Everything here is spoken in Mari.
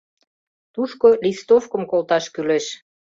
Тушко листовкым колташ кӱлеш.